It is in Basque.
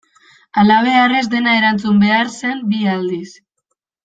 Halabeharrez dena erantzun behar zen bi aldiz.